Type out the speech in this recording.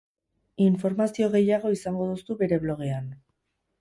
Informazio gehiago izango duzu bere blogean.